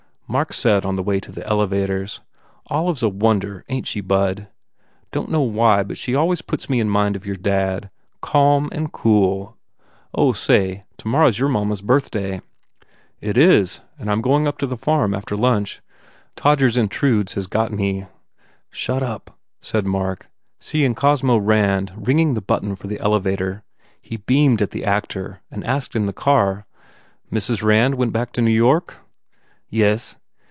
Mark said on the way to the elevators, "Olive s a wonder, ain t she, bud? Don t know why but she always puts me in mind of your dad. Calm and cool. Oh, say, tomorrow s your mamma s birthday!" "It is. And I m going up to the farm, after lunch. Todgers Intrudes has got me " "Shut up," said Mark, seeing Cosmo Rand 240 BUBBLE ringing the button for the elevator. He beamed at the actor and asked in the car, "Mrs. Rand went back to New York?" "Yes.